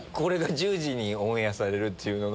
１０時にオンエアされるのが。